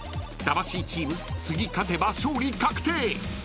［魂チーム次勝てば勝利確定］